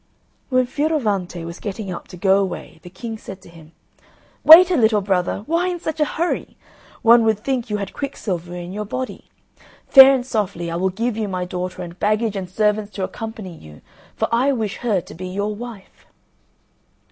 When Fioravante was getting up to go away the King said to him, "Wait a little, brother; why in such a hurry! One would think you had quicksilver in your body! Fair and softly, I will give you my daughter and baggage and servants to accompany you, for I wish her to be your wife."